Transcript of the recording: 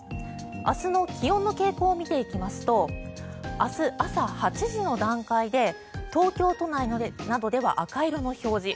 明日の気温の傾向を見ていきますと明日朝８時の段階で東京都内などでは赤色の表示。